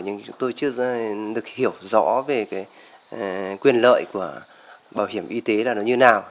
nhưng chúng tôi chưa được hiểu rõ về cái quyền lợi của bảo hiểm y tế là nó như nào